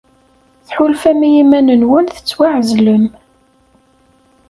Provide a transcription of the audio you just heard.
Tḥulfam i yiman-nwen tettwaɛezlem.